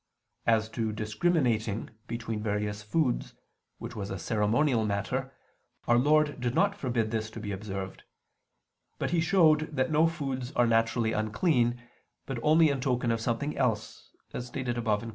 As to discriminating between various foods, which was a ceremonial matter, Our Lord did not forbid this to be observed: but He showed that no foods are naturally unclean, but only in token of something else, as stated above (Q.